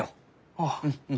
ああ。